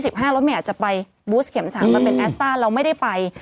รถเมย์อาจจะไปบูสเข็ม๓มาเป็นแอสต้าเราไม่ได้ไป